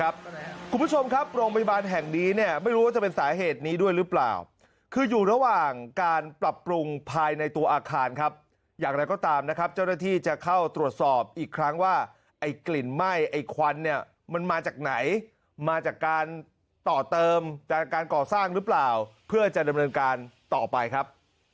คุณผู้ชมครับโรงพยาบาลแห่งนี้เนี่ยไม่รู้ว่าจะเป็นสาเหตุนี้ด้วยหรือเปล่าคืออยู่ระหว่างการปรับปรุงภายในตัวอาคารครับอย่างไรก็ตามนะครับเจ้าหน้าที่จะเข้าตรวจสอบอีกครั้งว่าไอ้กลิ่นไหม้ไอ้ควันเนี่ยมันมาจากไหนมาจากการต่อเติมจากการก่อสร้างหรือเปล่าเพื่อจะดำเนินการต่อไปครับ